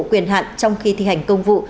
quyền hạn trong khi thi hành công vụ